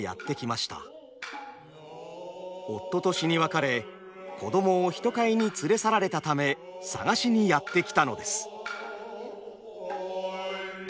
夫と死に別れ子どもを人買いに連れ去られたため捜しにやって来たのです。